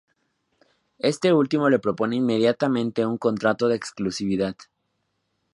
Este último le propone inmediatamente un contrato de exclusividad.